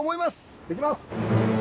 いってきます！